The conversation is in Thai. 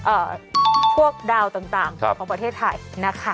เอ่อพวกดาวต่างของประเทศไทยนะคะ